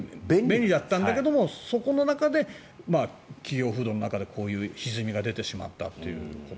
便利だったんだけどそこの中で企業風土の中でひずみが出てしまったと。